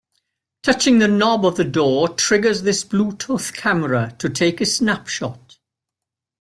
Touching the knob of the door triggers this Bluetooth camera to take a snapshot.